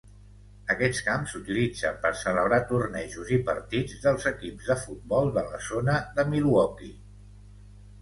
Aquests camps s'utilitzen per celebrar tornejos i partits dels equips de futbol de la zona de Milwaukee.